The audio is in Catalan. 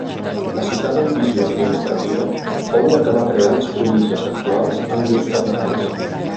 La citada divisió administrativa fou la que va crear les províncies actuals amb llurs capitals.